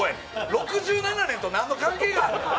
６７年と何の関係がある？